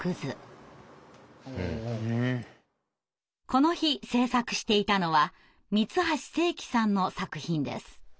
この日制作していたのは三橋精樹さんの作品です。